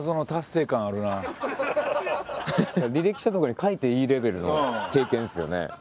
履歴書とかに書いていいレベルの経験ですよね。